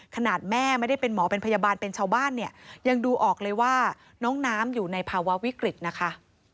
ขนาดแม่ไม่ได้เป็นหมอเป็นยังดูออกเลยว่าน้องน้ำว่าอยู่ในภาวะวิกฤตนะคะ